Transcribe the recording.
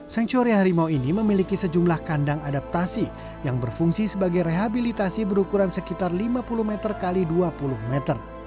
sancture harimau ini memiliki sejumlah kandang adaptasi yang berfungsi sebagai rehabilitasi berukuran sekitar lima puluh meter x dua puluh meter